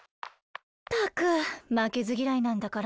ったくまけずぎらいなんだから。